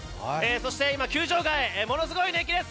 そして今、球場外、ものすごい熱気です。